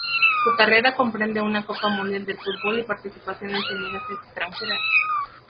Su carrera comprende una copa mundial de fútbol, y participaciones en ligas extranjeras.